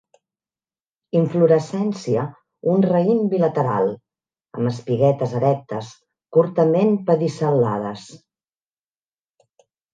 Inflorescència un raïm bilateral, amb espiguetes erectes, curtament pedicel·lades